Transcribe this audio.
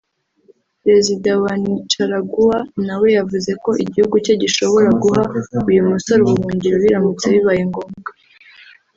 perezida wa Nicaragua nawe yavuze ko igihugu cye gishobora guha uyu musore ubuhungiro biramutse bibaye ngombwa